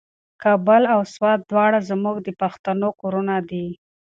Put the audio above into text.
کابل او سوات دواړه زموږ د پښتنو کورونه دي.